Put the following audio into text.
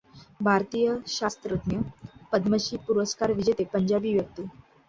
भारतीय शास्त्रज्ञ, पद्मश्री पुरस्कारविजेते पंजाबी व्यक्ती